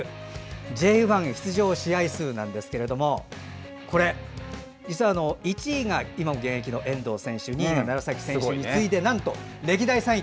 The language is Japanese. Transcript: Ｊ１出場試合数なんですけれども実は１位が今も現役の遠藤選手２位が楢崎選手に次いでなんと歴代３位。